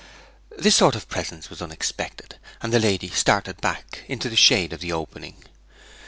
This sort of presence was unexpected, and the lady started back into the shade of the opening.